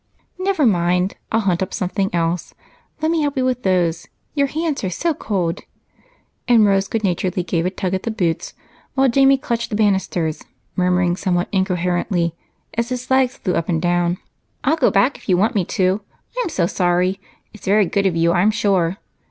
"Never mind, I'll hunt up something else. Let me help you with those your hands are so cold." And Rose good naturedly gave a tug at the boots while Jamie clutched the banisters, murmuring somewhat incoherently as his legs flew up and down: "I'll go back if you want me to. I'm so sorry! It's very good of you, I'm sure.